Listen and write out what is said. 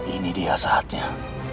ini dia saatnya